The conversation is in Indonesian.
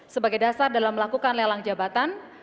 sebagai dasar dalam melakukan lelang jabatan